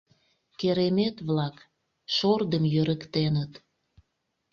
Керемет-влак, шордым йӧрыктеныт.